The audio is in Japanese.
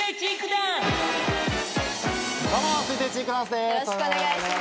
よろしくお願いします。